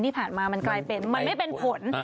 ที่ผ่านมามันกลายเป็นมันไม่เป็นผล